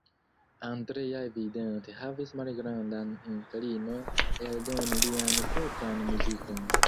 Andrea evidente havis malgrandan inklino eldoni lian propran muzikon.